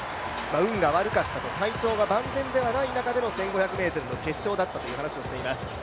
運が悪かったと、体調が万全ではない中での１５００ｍの決勝だったと話していました。